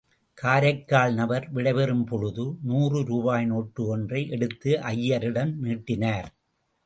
காரைக்கால் நபர் விடைபெறும் பொழுது, நூறு ரூபாய் நோட்டு ஒன்றை எடுத்து ஐயரிடம் நீட்டினார்.